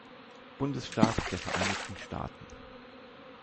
Bundesstaat der Vereinigten Staaten.